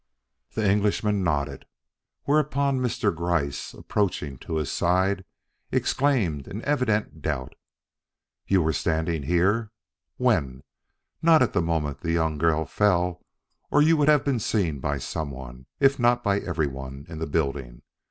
The Englishman nodded; whereupon Mr. Gryce, approaching to his side, exclaimed in evident doubt: "You were standing here? When? Not at the moment the young girl fell, or you would have been seen by some one, if not by everyone, in the building.